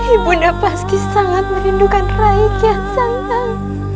ibunya pasti sangat merindukan rakyat santan